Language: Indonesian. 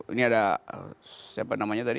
ini ada siapa namanya tadi